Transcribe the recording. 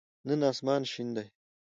نن آسمان شین دی.